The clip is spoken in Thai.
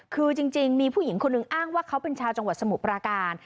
คือจริงมีผู้หญิงคนหนึ่งอ้างว่าเขาเป็นชาวจังหวัดสมุทรปราการ